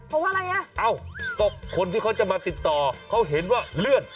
เพราะว่าอะไรอ่ะเอ้าก็คนที่เขาจะมาติดต่อเขาเห็นว่าเลื่อน